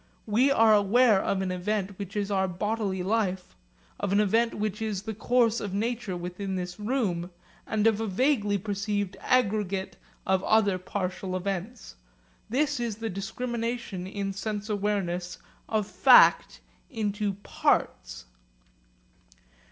We are aware of an event which is our bodily life, of an event which is the course of nature within this room, and of a vaguely perceived aggregate of other partial events. This is the discrimination in sense awareness of fact into parts.